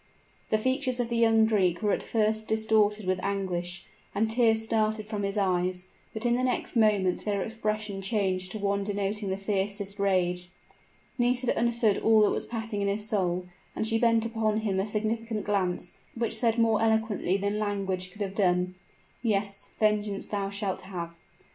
The features of the young Greek were at first distorted with anguish, and tears started from his eyes: but in the next moment their expression changed to one denoting the fiercest rage. Nisida understood all that was passing in his soul; and she bent upon him a significant glance, which said more eloquently than language could have done "Yes, vengeance thou shalt have!"